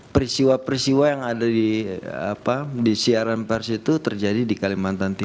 peristiwa peristiwa yang ada di siaran pers itu terjadi di kalimantan timur